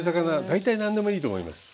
大体何でもいいと思います。